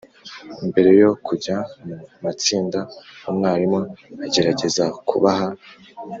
Mbere yo kujya mu matsinda umwarimu agerageza kubaha